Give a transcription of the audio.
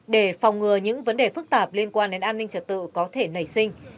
để phòng ngừa những vấn đề phức tạp liên quan đến an ninh trật tự có thể nảy sinh